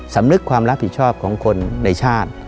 สำนึกความรับผิดชอบของคนในชาติ